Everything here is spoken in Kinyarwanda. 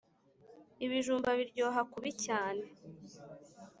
ibijumba biryoha kubi cyane